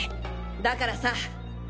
だからさ。